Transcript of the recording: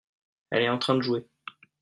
elle est en train de jouer.